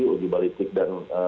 uji balitik dan